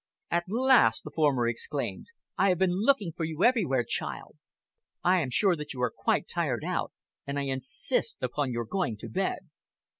"At last!" the former exclaimed. "I have been looking for you everywhere, child. I am sure that you are quite tired out, and I insist upon your going to bed."